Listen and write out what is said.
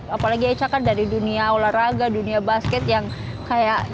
apalagi echa kan dari dunia olahraga dunia basket yang kayak